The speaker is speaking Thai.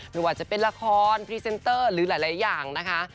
ไม่ว่าจะเป็นละครพรีเซนเตอร์หรือหลายอย่างนะคะ